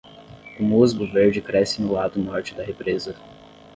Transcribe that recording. O musgo verde cresce no lado norte da represa.